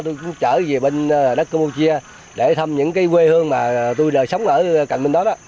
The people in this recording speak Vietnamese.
tôi cũng chở về bên đất cơ mô chia để thăm những quê hương mà tôi đã sống ở cạnh bên đó đó